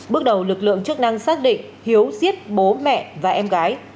bước đầu lực lượng chức năng xác định hiếu giết bố mẹ và em gái